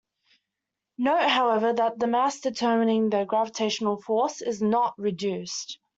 Note, however, that the mass determining the gravitational force is "not" reduced.